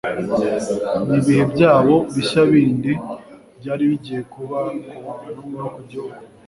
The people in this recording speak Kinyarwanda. Ni ibihe byago bishya bindi byari bigiye kuba ku bantu no ku gihugu